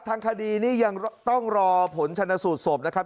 ทางคดีนี้ยังต้องรอผลชนสูตรศพนะครับ